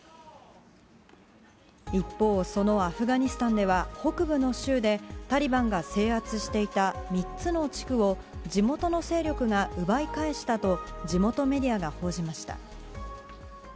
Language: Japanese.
一方、そのアフガニスタンでは北部の州でタリバンが制圧していた３つの地区を地元の勢力が奪い返したと地元メディアが報じました。